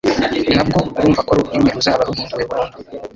nabwo urumva ko ari ururimi ruzaba ruhinduwe burundu.